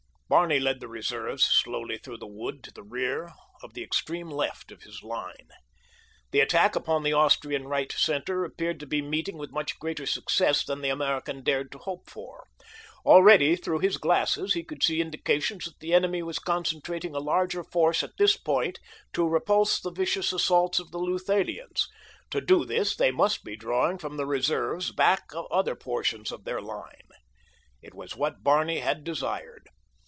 Barney led the reserves slowly through the wood to the rear of the extreme left of his line. The attack upon the Austrian right center appeared to be meeting with much greater success than the American dared to hope for. Already, through his glasses, he could see indications that the enemy was concentrating a larger force at this point to repulse the vicious assaults of the Luthanians. To do this they must be drawing from their reserves back of other portions of their line. It was what Barney had desired.